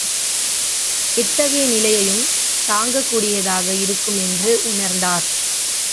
எத்தகைய நிலையையும் தாங்கக் கூடியதாக இருக்கும் என்று உணர்ந்தார்.